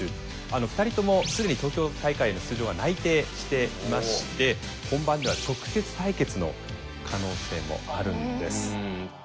２人とも既に東京大会への出場は内定していまして本番では直接対決の可能性もあるんです。